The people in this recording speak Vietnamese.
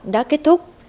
đã kết thúc